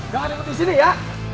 jangan ikut disini ya